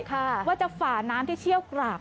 ว่าจะฝ่าน้ำที่เชี่ยวกราก